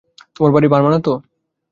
তোমার বাড়ি বার্মা তো?